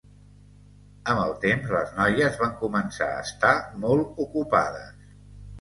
Amb el temps les noies van començar a estar molt ocupades.